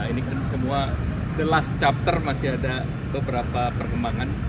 ini kan semua the last chapter masih ada beberapa perkembangan